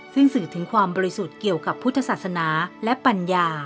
ซึ่งสื่อถึงความบริสุทธิ์เกี่ยวกับพุทธศาสนาและปัญญา